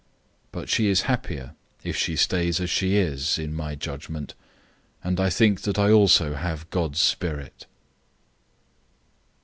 007:040 But she is happier if she stays as she is, in my judgment, and I think that I also have God's Spirit.